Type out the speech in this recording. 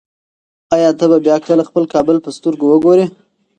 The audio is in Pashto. ایا ته به بیا کله خپل کابل په خپلو سترګو وګورې؟